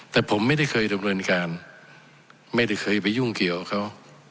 แต่ผมไม่ได้เคยดำเนินการไม่ได้เคยไปยุ่งเกี่ยวเขา